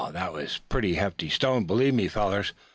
that's a pretty hefty stone, believe me, fellers!"